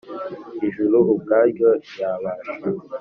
Ijuru ubwaryo ryabasha